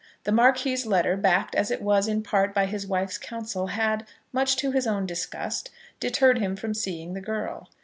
The Marquis's letter, backed as it was in part by his wife's counsel, had, much to his own disgust, deterred him from seeing the girl.